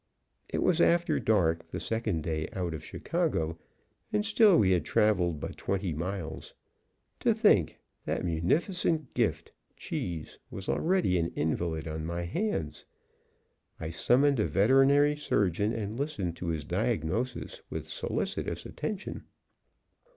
It was after dark, the second day out of Chicago, and still we had traveled but twenty miles. To think that munificent gift, Cheese, was already an invalid on my hands! I summoned a veterinary surgeon, and listened to his diagnosis with solicitous attention.